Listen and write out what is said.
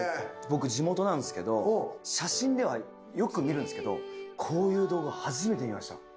僕地元なんですけど写真ではよく見るんですけどこういう動画初めて見ました。